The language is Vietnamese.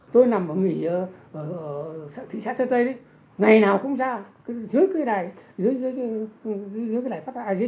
trong cuốn những ngày ở chiến trường tập hai là hồi ký của những chiến sĩ công an chi viện